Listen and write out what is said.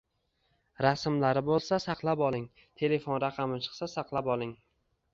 rasmlari bo‘lsa saqlab oling, telefon raqami chiqsa saqlab oling